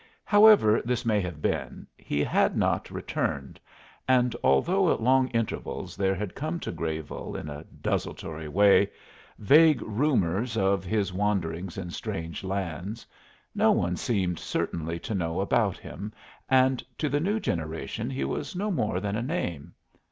However this may have been, he had not returned, and although at long intervals there had come to Grayville, in a desultory way, vague rumors of his wanderings in strange lands, no one seemed certainly to know about him, and to the new generation he was no more than a name.